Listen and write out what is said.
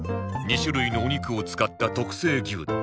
２種類のお肉を使った特製牛丼